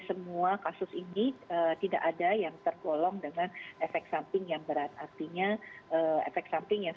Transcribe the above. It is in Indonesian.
semua kasus ini tidak ada yang tergolong dengan efek samping yang berat artinya efek sampingnya